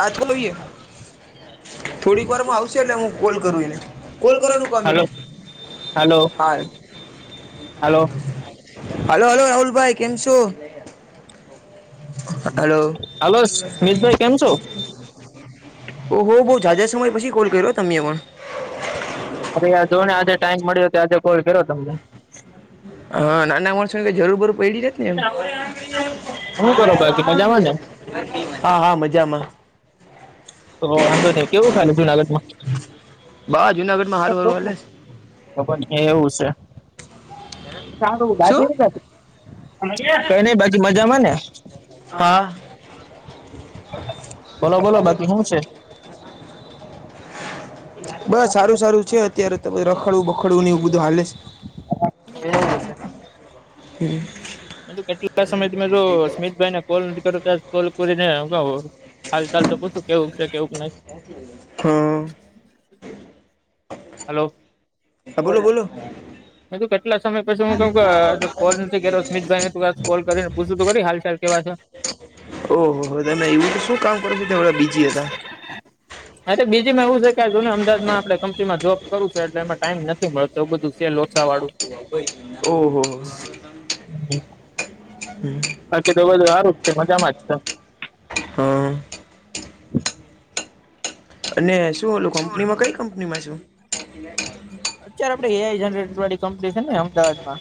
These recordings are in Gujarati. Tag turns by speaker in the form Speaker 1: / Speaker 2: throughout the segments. Speaker 1: આ તોઈએ થોડીક વારમાં આવશે એટલે હું કોલ કરું એલે કોલ કરવાનું
Speaker 2: હલો
Speaker 1: કમીને
Speaker 2: હલો
Speaker 1: હા
Speaker 2: હલો
Speaker 1: હલો હલો રાહુલભાઈ કેમ છો? હલો
Speaker 2: હલો સ્મિતભાઈ કેમ છો?
Speaker 1: ઓ હો બહ જાજા સમય પછી કોલ કર્યો તમે પણ.
Speaker 2: અરે આ જો ને આજે ટાઈમ મળ્યો તો આજે કોલ કર્યો તમને.
Speaker 1: હા નાના માણસો જરૂર બરૂર પડી જ
Speaker 2: શું કરો બાકી મજામાં ને
Speaker 1: હા હા મજામાં.
Speaker 2: તો વાંધો નહી કેવું [unintelligible] જુનાગઢમાં?
Speaker 1: બાહ જુનાગઢમાં હારુ હારુ વાલે છે.
Speaker 2: તો પણ એવું છે.
Speaker 1: શું
Speaker 2: કઈ નઈ બાકી મજામાં ને?
Speaker 1: ફા [inaudible]
Speaker 2: બોલો બોલો બાકી શું છે?
Speaker 1: બસ સારું સારું છે અત્યારે ત રખડવું બખડવું ને એવું બધું હાલે.
Speaker 2: એવું છે.
Speaker 1: હમ
Speaker 2: બું કેટલા સમય તમે જો સ્મિતભાઈ ને કોલ નથી કર કોલ કરીને ક હાલ ચાલ તો પૂછું કેવું છે કેવું નહી?
Speaker 1: હા
Speaker 2: હલો
Speaker 1: હા બોલો બોલો
Speaker 2: મે તું કેટલા સમય પછી હું ક કોલ નથી કેમિતભાઈને ત કોલ કરીને પૂછું કરી હાલ ચાલ કેવા છે.
Speaker 1: ઓહો હો તમે એવું તો શું કામ કરો છો ત બીજા
Speaker 2: હા તો બીજી માં એવું છે કેને અમદાદમાં આપે કંપનીમાં જોબ કરું છે એટલે એમાં ટાઈમ નથી મળતો એવ બધું છે લોચા વાળું.
Speaker 1: ઓહ હમ
Speaker 2: બાકી તો સારું છે મજામાં જ છે.
Speaker 1: હા
Speaker 2: [inaudible]
Speaker 1: અને શું ઓલું કંપનીમાં કઈ કંપનીમાં શું?
Speaker 2: અત્યારે આપડે એઆઈ જનરેટ વાળી કંપની છે ને અમદાવાદ માં.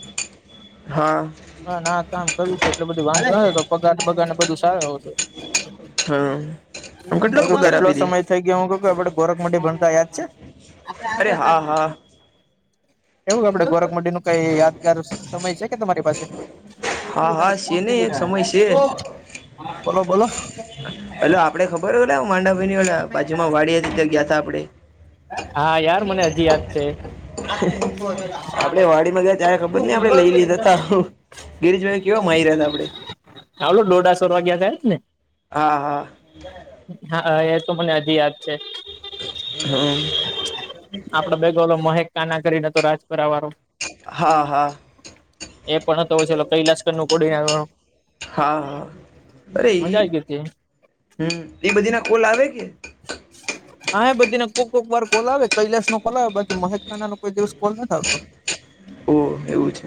Speaker 1: હા
Speaker 2: હા ના કામ કર્યું છેું એટલે બધું વાંધ ન તો પગાર પગાર ને બધું સારું આવ છે.
Speaker 1: હા આમ
Speaker 2: એ
Speaker 1: કેટલોક
Speaker 2: તો
Speaker 1: પગાર
Speaker 2: કેટલો
Speaker 1: આપી દે
Speaker 2: સમય થઈ ગયા હું આપડે ગોરખ મઢ ભણતા યાદ છે?
Speaker 1: અરે હા હા
Speaker 2: એવું કે આપડે ગોરખ મડી નું કઈ યાદગાર સમય છે કે તમારી પાસે?
Speaker 1: હા હા છે ને એક સમય છે
Speaker 2: બોલો બોલો
Speaker 1: હલો આપડે ખબર ઓલે માંડા ભાઈની ઓ બાજુમાં વાડી હતી ત્યા ગયા હતા આપડે.
Speaker 2: હા યાર મને હજી યાદ છે.
Speaker 1: આપડે વાડી માં ગયા તારે ખબર નઈ આપડે લઈ લીધા ત ગિરિશભાઈ કેવા મારી રહ્યા હતા આપડે.
Speaker 2: હલોું ડોડાસો વાગ્યા તા એજ ને
Speaker 1: હા હા
Speaker 2: હા એ તો મને હજી યાદ છે.
Speaker 1: હમ્મ
Speaker 2: આપડ બેગલો મહેક કાના કરીને તો રાજપુરા વાળો.
Speaker 1: હા હા
Speaker 2: એ પણ હતો હોય છે કૈલાસકર નું કોડી નાર વાળો.
Speaker 1: હા હા અરે
Speaker 2: મજા આવી ગઈ હતી
Speaker 1: હમ્મ એ બધી ના કોલ આવે કે
Speaker 2: હા એ બધી ના કો કોક વાર કોલ આવે કૈલાશ નો કોલ આવે બાકી મહેક ખાના નો કોઈ દિવસ કોલ નથી આવતો
Speaker 1: ઓ એવું છે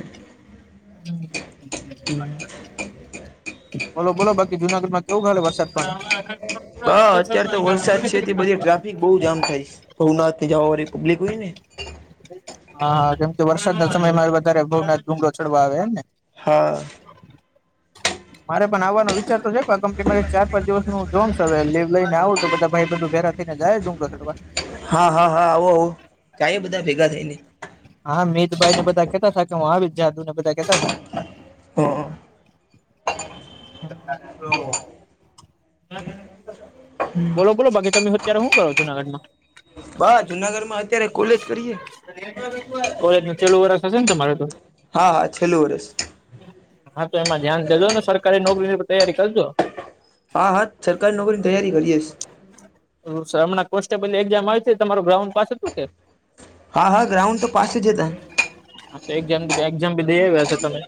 Speaker 2: [unintelligible] બોલો બોલો બાકી જુનાગઢમાં કેવું ખાલે વરસાદ પાણી
Speaker 1: હ અત્ય્યારે તો વરસાદ છે બધી ટ્રાફિક બઉ જામ થાય ભવનાથ જવા વાળી પબ્લિક હોય ને
Speaker 2: હા હા જેમ કે વરસાદના સમયમાં વધારે ભવનાથ ડુંગળ ચડવા આવે એમને
Speaker 1: હા
Speaker 2: મારે પણ આવવાનો વિચાર તો છે પણ કંપની મારી ચાર પાંચ દિવસનું જોન હવે લીવ લઈને આવું તો બધા ભાઈ બધું ભેગા કેઈને જાય ડુંગર કરવા
Speaker 1: હા હા હા આવો આવો જાય બધા ભેગા થઈને
Speaker 2: હા મીત ભાઈને બધા કેતા હતા કે હું આવી જા ને કેતા હતા
Speaker 1: હા
Speaker 2: [unintelligible] બોલો બોલો બાકી તમે અત્યારે શું કરો જુનાગઢમાં
Speaker 1: ભ જુનાગઢ માં અત્યારે કોલેજ કરીએ
Speaker 2: કોલેજ નુ છેલું વરષ હશે ને તમારે તો
Speaker 1: હા હા છેલ્લું વર્ષ
Speaker 2: હા તો એમાં ધ્યાન દેજો ને સરકારી નોકરીની તૈયારી કરજો
Speaker 1: હા હા સરકારી નોકરીની તૈયારી કરીએશ
Speaker 2: સર હમણા કોન્સ્ટેબલ એક્ઝામ આવી હતી તમારો ગ્રાઉન્ડ પાસે હતું કે
Speaker 1: હા હા ગ્રાઉન્ડ તો પાચથી જતા
Speaker 2: હા તો એક્ઝામ એક્ઝામ ભી લઈયા હશો તમે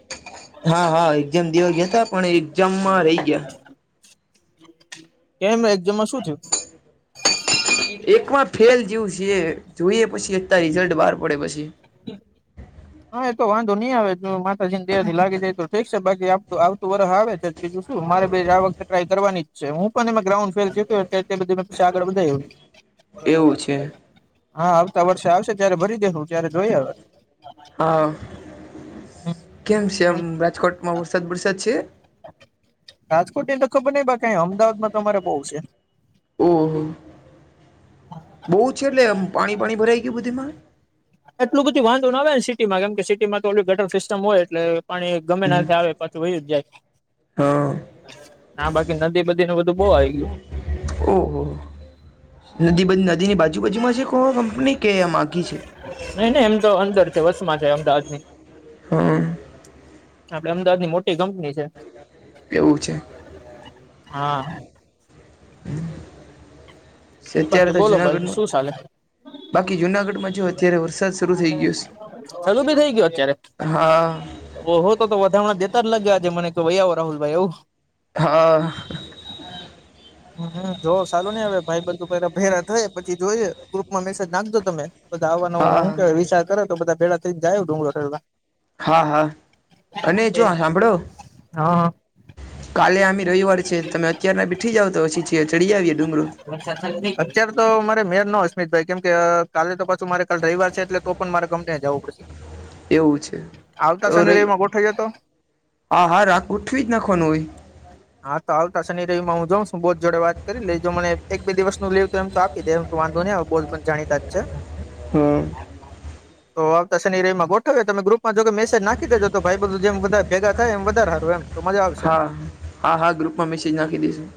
Speaker 1: હા હા એક્ઝામ દેવા ગયા હતા પણ એક્ઝામ માં રહી ગયા
Speaker 2: કેમ એકઝામ શું થયું
Speaker 1: એકમાં ફેલ જેવું છે જોઈએ પછી અ રીઝલ્ટ બહાર પડે પછી
Speaker 2: હા એ તો વાંધો નહી આવે જો માતાજીને દે થી લાગી જાય તો ઠીક છે બાકીતું આવતું વર્ષ આવે છે બીજું શું મારે આ વખતે ટ્રાય કરવાની જ છે હું પણ ગ્રાઉન્ડ ફેલ બધી પછી આગળ વધાર્યું
Speaker 1: એવું છે
Speaker 2: હા આવતા વર્ષે આવશે ત્યારે ભરી દેસું ત્યારે જોઈ હવે
Speaker 1: હા કેમ છે એમ રાજકોટમાં વરસાદ વરસાદ છે
Speaker 2: રાજકોટની તો ખબર નહિ બાકી અમદાવાદમાં તો તમારે બહુ છે
Speaker 1: ઓહ બહુ છે એટલે આમ પાણી પાણી ભરાઈ ગયું બધી માં
Speaker 2: એટલું બધું વાંધો ન ના આવે ને સિટીમાં કેમ કે સિટીમાં તો ઓ ગટર સિસ્ટમ હોય એટલે પાણી ગમે ના આવે પાછું વયુ જ જાય
Speaker 1: હા
Speaker 2: ના બાકી નદી બદીને બધું બહુ આવી ગયું
Speaker 1: ઓહ નદી બદી નદીની બાજુ બાાજુમાં છે કોહો કંપની કે આમ આખી છે
Speaker 2: નહી નહિ એમ તો અંદર છે વસ માં છે અમદાવાદ ની
Speaker 1: હા
Speaker 2: આપડે અમદાવાદની મોટી કંપની છે
Speaker 1: એવું છે
Speaker 2: હા
Speaker 1: અત્યારે
Speaker 2: બાકી
Speaker 1: તો
Speaker 2: બોલો ભાઈ
Speaker 1: જુનાગઢમાં
Speaker 2: શું ચાલે
Speaker 1: બાકી જુનાગઢમાં જો અત્યારે વરસાદ શરૂ થઈ ગયો છે
Speaker 2: ચલું ભી થઇ ગયો અત્યારે
Speaker 1: હા
Speaker 2: ઓહ હો તો વધાણાં જેતા જ લાગે આજે મને કે આવો રાહુલભાઈ એવું
Speaker 1: હા
Speaker 2: જોવ સાલું નઈ આવે ભાઈ બધું પેલા ભેરા થાય પછી જોઈજ ગ્રુપમાં મેસેજ નાખજો તમે બધા આવવાનો
Speaker 1: હા
Speaker 2: કેવાય વિચાર કરો તો બધા ભેગા થઈને જાય ડુંગળો
Speaker 1: હા હા અને જો હાભળો
Speaker 2: હા
Speaker 1: કાલે આમે રવિવાર છે તમે અત્યાર ના બેઠી જાવ તો પછી છે ચ ચડી આવીએ ડુંગળ
Speaker 2: અત્ય્યારે તો મારે મેર ન અસ્મિતભાઈ કેમ કે કાલે તો પાછું મારે કલે રવિવાર છે એટલે તો પણ મારે કપને જવું પડશે
Speaker 1: એવું છે
Speaker 2: આવતા
Speaker 1: તો ર
Speaker 2: શનિ રવિમાં ગોઠવ્યો તો
Speaker 1: આ હાર રાખ ઉઠવી જ નાખવાનું હોય
Speaker 2: હા તો આવતા શનિ રવમાં હું જાઉં છુ બોસ જોડે વાત કરી લઈજ મને એક બેિવસું લીવ એમ તો કીધ વાંધો નને બોસ પણ જાણીતા જ છે
Speaker 1: હમ્મ
Speaker 2: તો આવતા શનિ રવીમાં ગોઠવે તમે ગ્રુપમાં જો કે મેસેજ નાખી દેજો તો ભાઈ બધું જેમ બધા ભેગા થાય એમ વધારે હારું એમ તો મજા આવશે.
Speaker 1: હા હા હા ગ્રુપમાં મેસેજ નાખી દઈશું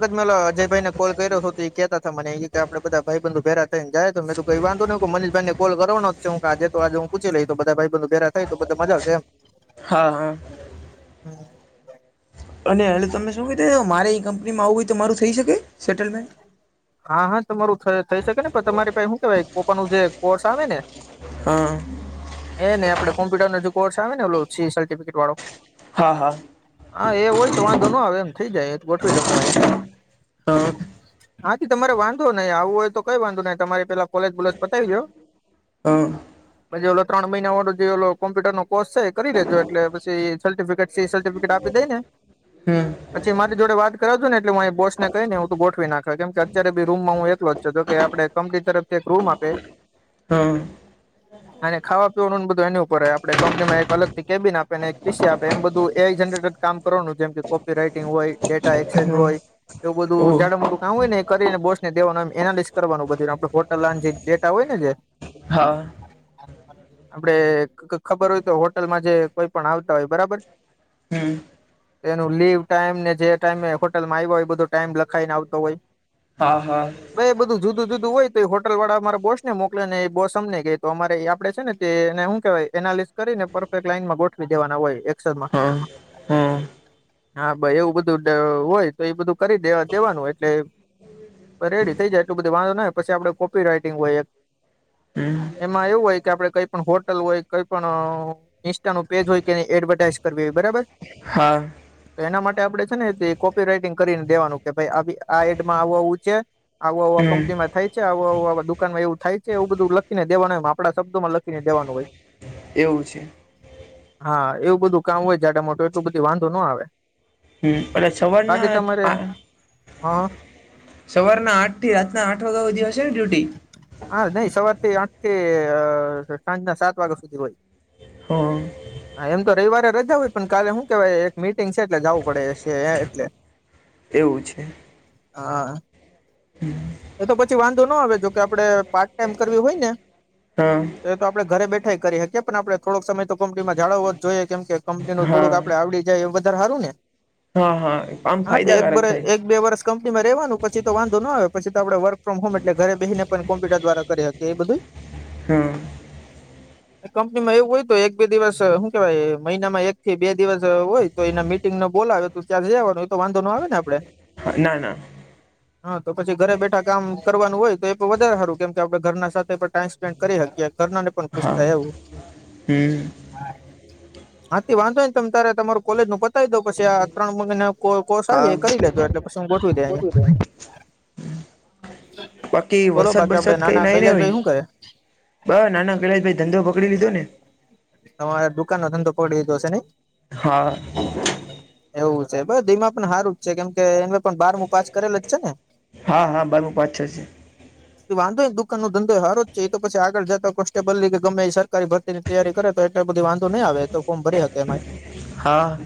Speaker 2: મે અજયભાઈ ને કોલ કર્યો હતો તો એ કેહેતા હતા મને એ કે આપડે બધા ભાઈ બંધુ ભેગા થઈ ને જાય તો મે કઈ વાંધો ન કો મનીષભાઈ ને કોલ કરવાનો જ હું આજ તો આજ હું પૂછી લઈ તો બધા ભાઈબન્ધો પેરા થાય તો બધ મજા આવશે એમ
Speaker 1: હા હા
Speaker 2: હમ્મ
Speaker 1: અને એટલે તમે શું કીધું મારે એ કંપનીમાં આવવું હોય તો મારું થઈ શકે સેટલમેન્ટ
Speaker 2: હા હા તમારું થઈ શકે ને પણ તમારી પાસે શું કેવાય [unintelligible] નું જે કોર્સ આવે ને
Speaker 1: હા
Speaker 2: એ ને આપડ કો્પ્યુટર ન જો કોર્સ આવે ને ઓલો સીસર્ટિફિટ વાળો
Speaker 1: હા હા
Speaker 2: હા એ હોય તો વાંધો ન આવે એમ થઈ જાય એ તો ગોઠવી દું મુ અહીંયા
Speaker 1: હ
Speaker 2: હાથી તમારે વાંધો નઈિ આવું હોય તો કઈ વાંધો નઈ તમારે પેલા કોલેજ બોલેસ પતાવી દો
Speaker 1: હા
Speaker 2: પછી ઓલો ત્રણ મહિના વાળો જે ઓ લો કોમ્પ્યુટર ન કોરી છે એ કરી લેજો એટલે પછી સર્ટિફિકેટ સર્ટિફિકેટ આપી દે ને
Speaker 1: હમ્મ
Speaker 2: પછી મારી જોડે વાત કરાવ જોને એટલે હુ બોસને કહી ને હું ગોઠવી નાખે કેમ કે અત્યારે બી રૂમમાં હું એટલો જ છ કે આપડે કંપની તરફથી એક રૂમ આપે
Speaker 1: હા
Speaker 2: અને ખાવા પીવાનું બધું એની ઉપર હોય આપડે કંપનીમાં એક અલગ થી કેબિન આપે ને એક પીસી આપે એમ બધું એ જરેટર કામ કરવાનું જેમ કે કોપી રાઈટિંગ હોય ડેટા એક્સચેન્જ
Speaker 1: હમ
Speaker 2: હોય એવું બધું
Speaker 1: ઓહ
Speaker 2: જાડ મોટું કામ હોય ને એ કરીને બોસને દેવાનું એનાલિસ કરવાનું બધુંને આપે હોટલ જે ડેટા હોય ને જે
Speaker 1: હા
Speaker 2: [inaudible] આપડે ખબર હોય તો હોટલમાં જે કોઈ પણ આવતા હોય બરાબર
Speaker 1: હમ
Speaker 2: એનું લીવ ટાઈમ ને જે ટાઈમે હોટલમાં આવ્યો હો એ બધો ટાઈમ લખાઈીને આવ તો ભાઈ
Speaker 1: હા હા
Speaker 2: ભાઈ એ બધું જુદું જુદું હોય તો એ હોટલ વાળા વારા બોસ ને મોક ને એ બોસ અમને ગ તો અમારે આપડે છે ને તો એને હુ કેવાય એનાલિસ કરીને પરફેક્ટ લાઈનમાં ગોઠવી દેવાના હોય એક્સમાં
Speaker 1: હ હમ્મ
Speaker 2: હા ભઈ એવુ બધું હોય તો એ બધું કરી દે દેવાનું હોય એટલે રેડી થઈ જાય એટલું બધું વાંધો ન પછી આપડે કોપી રાઈટિંગ હોય એક
Speaker 1: હમ
Speaker 2: એમાં એવું હોય કે આપડે કઈ પણ હોટલ હોય કઈ પણ ઈન્સ્ટા નુ પેજ હોય કે એ એડવર્ટાઈઝ કરવી હોય બરાબર
Speaker 1: હા
Speaker 2: તો એના માટે આપડે છે ને કોપી રાઈટિંગ કરીને દેવાનું કે ભાઈ આ એટમાં આવું છે આવું આવું આ
Speaker 1: હમ
Speaker 2: કંપની માં થાય છે આવ દુકાન માં એવું થાય છે એવું બધું લખીને દેવાનું હોય આપણા શબ્દોમાં લખીનેેવાનું હોય [inaudible]
Speaker 1: એવું છે
Speaker 2: હા એવું બધું કામ હોય જાટ મોટું એટલું બધું વાંધો ન આવે
Speaker 1: હમ એટલે સવારના આ
Speaker 2: હા
Speaker 1: સવારના આઠ થી રાતના આઠ વાગ્યા સુી ધીહશે ને ડ્યુટી
Speaker 2: હા નહી સવારથી આઠ સાંજના સાત વાગ્યા સુધી હોય
Speaker 1: હા
Speaker 2: હા એમ તો રવિવારે રજા હોય પણ કાલે શું કેહવાય એક મીટિંગ છે એટલે જવું પડેશે એટલે [inaudible]
Speaker 1: એવું છે
Speaker 2: હા
Speaker 1: હમ
Speaker 2: એ તો પછી વાંધો ના આવે જોકે આપડે પાર્ટ ટાઈમ કરવી હોય ને
Speaker 1: હા
Speaker 2: એ તો આપણે ઘરે બેઠા કરી શકીએ પણ આપણે થોડક સમય તો કંપની માં જાળવવો જ જોઈએ કેમ કે કંપની નું
Speaker 1: હા
Speaker 2: થોડુંક આપડે આવડી જાય વધારે સારું ને
Speaker 1: હા હા આમ
Speaker 2: હા તો એક
Speaker 1: ફાયદાકારક થાય
Speaker 2: એક બે વર્ષ કંપનીમાં રહેવાનું પછી તો વાંધો ના આવે પછી તો આપણે વર્ક ફ્રોમ હોમ એટલે ઘરે બેહી ને પણ કોમ્યુટર દ્વારા કરી હતી એ બધું
Speaker 1: હા
Speaker 2: [inaudible] કંપની માં એવું હોય તો એક બે દિવસ શું કેવાય મહિનામાં એક થી બે દિવસ હોય તો એના મી ો બોલાવે તો ત્યાંથી જવાનું તો વાંધો ન આવે ને આપે
Speaker 1: હા ના ના
Speaker 2: હા તો પછી ઘરે બેઠા કામ કરવાનું હોય તો એ પણ વધારે સારું કેમ કે આપણે ઘરના સાથે પણ ટાઈમ સ્પેન્ડ કરી શકીએ ઘરના પણ ખુશ
Speaker 1: હા
Speaker 2: થાય આવવું
Speaker 1: હમ
Speaker 2: હાથી વાંધો ન ત તારે તમારું કોલેજ નું પતાવી દો પછી આ ત્રણ મહિના કો કોષ આવી
Speaker 1: હા
Speaker 2: એ કરી લેજ એટલે પછી હું ગોઠવી દે
Speaker 1: બાકી
Speaker 2: બોલો
Speaker 1: વરસાદ
Speaker 2: બાકી આપડે
Speaker 1: બરસાદ કઈ
Speaker 2: નાના
Speaker 1: નાઈ ને ભાઈ
Speaker 2: કૈલાશભાઈ શું કરે
Speaker 1: બ નાના કલા ભાઈ ધંધો પકડી લીધો ને
Speaker 2: તમારે દુકાનનો ધંધો તો પકડી લીધો હશે ને
Speaker 1: હા
Speaker 2: એવું છે બધા એમાં પણ સારું જ છે કેમ કે એ પણ બારમુ પાસ કરેલ જ છે ને
Speaker 1: હા હા બરું પાછો છે
Speaker 2: વાંધોને દુકાન નો ધંધો સારો છે એ તો પછી આગળ જતા કોન્સ્ટેબલ કે ગમે સરકારી ભરતીને તૈયારી કરે તો એટલે બધી વાંધો નહીં આવે તો ફોર્મ ભરી શકે એમાં
Speaker 1: હા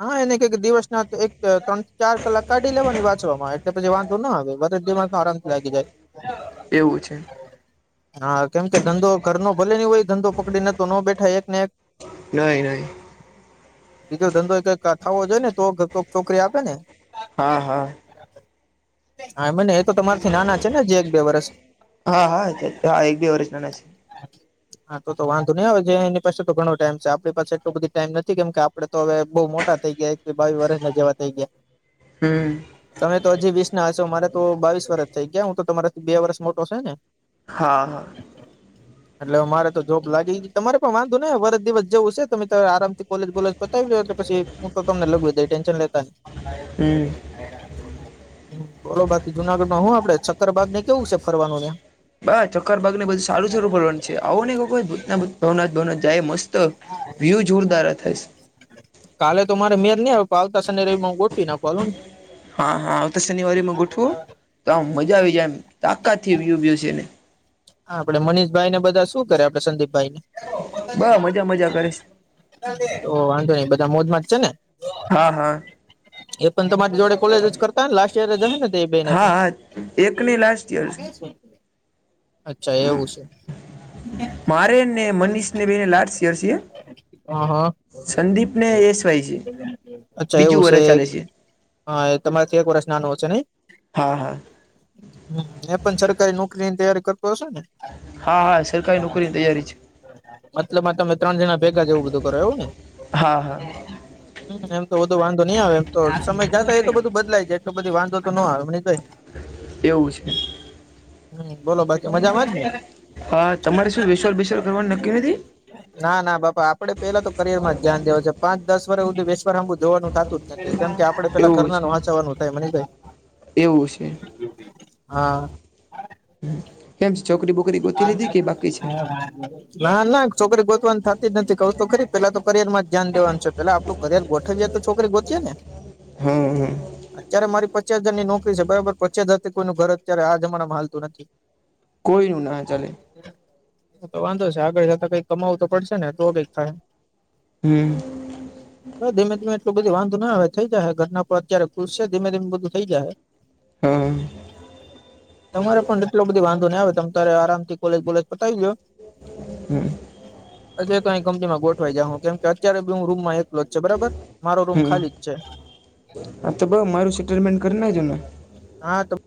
Speaker 2: હા એને કઈક દિવસ ના એક ત્રણ ચાર કલાક કાઢી લેવાની વાંચવામાં પછી વાંધો ના આવે બધા મા આરામથી લાગી જાય
Speaker 1: એવું છે
Speaker 2: હા કેમ કે ધંધો ઘર ન ભલે નહી હોય ધંધો પકડીને તો ન બેઠા એક ને એક
Speaker 1: ન ન
Speaker 2: બીજો ધંધો કઈથો જોઈ ને તો છોકરી આપે ને
Speaker 1: હા હા
Speaker 2: હા મને એ તો તમારથી નાના છે ને જે એક બે વર્ષ
Speaker 1: હા હા હા એક બેી ઓરિજનલ છે
Speaker 2: હા તો તો વાંધો નહી આવે જે એની પાસે તો ઘણો ટાઈમ છે આપણી પાસે એટલોું બધી ટાઈમ નથી કેમ કે આપડે તો હવે બહુ મોટા થઈ ગયા એક્વી બાવી વર્ષ ના જેવા થઇ ગયા.
Speaker 1: હમમ.
Speaker 2: તમે તો હજી વીસ ના હશે મારે તો બાવીસ વરષ થઈ ગયા હું તો તમારા થી બે વર્ષ મોટો છે ને
Speaker 1: હા હા
Speaker 2: એટલે મારે તો જોબ લાગી તમારે પણ વાંધો નય વરજ દિવસ જવું છે તમે તો આરામથી કોલેજ બોલેજ પતાવીજો એટલે પછી [unintelligible]
Speaker 1: હમ્મ
Speaker 2: બોલો બાકી જુનાગઢમાં હું આપડે સક્કરબાગને કેવું છે ફરવાનું ત્યાં
Speaker 1: બા સક્કર ભાગ ને બધું સારું સારું ફરવાનું છે આવોની એક વખત એમ ભવનાથ ભવનાથ જાયે મસ્ત વ્યૂ જોરદાર થશ
Speaker 2: કાલે તો મારે મેર ની આવે પ આવતા શનિ રવી માં ગોઠવી નાખવાનું
Speaker 1: હા હા આવતા શનિવારી માં ગોઠવો તો આમ મજા આવી જાય એમ તાકાત [unintelligible] છેને
Speaker 2: આપડે મનીષભાઈ ને બધા શું કરે આપણે સંદીપભાઈને?
Speaker 1: બ મજા મજા કરે છે
Speaker 2: ઓ વાંધો નઈ બધા મોજમાં જ છે ને
Speaker 1: હા હા
Speaker 2: એ પણ તમારી જોડે કોલેજ જ કરતાને લાસ્ટ યર જ અહે ને તે બેને
Speaker 1: હા
Speaker 2: પણ
Speaker 1: હા એકની લાસ્ટ યર
Speaker 2: અચ્છા એવું સે?
Speaker 1: મારે ને મનીષ ને બેઈને લાસ્ટ યર સે
Speaker 2: હા હા
Speaker 1: એસવાય છે
Speaker 2: અચ્છા એવુ
Speaker 1: બીજું
Speaker 2: સે
Speaker 1: વર્ષ
Speaker 2: એ
Speaker 1: ચાલે છે
Speaker 2: હા એ તમારેથી એક વરસ નાનો હશે નઈ
Speaker 1: હા હા
Speaker 2: એ પણ સરકારી નોકરીની તૈયારી કરતો હશે ને
Speaker 1: હા હા સરકારી નોકરીની તૈયારી છે
Speaker 2: મતલબમાં તમે ત્રણ જણા ભેગા જેવું બધું કરો એવું ને
Speaker 1: હા હા
Speaker 2: એમ તો બધો વાંધો ની આવે એમ તો આ સમય જાતા એ તો બધું બદલાય જાય તો બધી વાંધો તો ન આવે મનિષ ભાઈ
Speaker 1: એવું છે.
Speaker 2: હમ્મ બોલો બાકી મજામાં જ ને
Speaker 1: હા તમારે શું વેેશ્વર બેસ્વાર કરવાનું નક્કી નથી
Speaker 2: ના ના બાપા આપડે પેલા તો કરિયરમાં જ ધ્યાન દેવા છે પાચ દસ વર્ષ હુધી વેશવારામ જવાનું થાતું કેમ કે આપડે પેલા
Speaker 1: એવું
Speaker 2: ઘરના
Speaker 1: છે
Speaker 2: નું હાચવાનું થાય મનીષ ભાઈ
Speaker 1: એવું છે
Speaker 2: હા
Speaker 1: કેમ
Speaker 2: [inaudible]
Speaker 1: છે છોકરી બોકરી ગોતી લીધી કે બાકી છે
Speaker 2: [unintelligible] ના ના છોકરી ગોતવાની થતી જ નથી કવ તો ખરી પેલા તો કરિયર માં જ ધ્યાન દેવાનું છે પેલા આપડું કરિયર ગોઠવાય તો છોકરી ગોતીએ ને
Speaker 1: હમ્મ હમ્મ
Speaker 2: અત્યારે મારી પચાસ હજાર ની નોકરી છે બરાબર પચાસ હજારથી કોઈનું ઘર અત્યારે આ જમાનામાં હાલતુ નથી.
Speaker 1: કોઈ નું ના ચાલે
Speaker 2: તો વાંધો છે આગળ જતાં કંઈક કમાવું તો પડશે ને તો કંઈ ખાય
Speaker 1: હમ [unintelligible]
Speaker 2: [inaudible] હ ધીમે ધીમે એટલું બધું વાંધો ના આવે થઈ જાહે ઘરના પર અત્યારે ખુલસે ધીમે ધીમે બધું થઈ જાહે
Speaker 1: હા [unintelligible]
Speaker 2: તમારે પણ એટલો બધી વાંધો ના આવે તમ તારે આરામ થી કોલેજ બોલેજ પતાવી લ્યો.
Speaker 1: હમ્મ
Speaker 2: અત્યારે તો અહીં કંપનીમાં ગોઠવાઈ જાહુ કેમ કે અત્યારે તો હું રૂમમાં એક [unintelligible] બરાબર મારો રૂમ
Speaker 1: હમ
Speaker 2: ખાલી જ છે
Speaker 1: હા તો બસ મારું સેટલમેન્ટ કરી નાખજો ને
Speaker 2: હા તો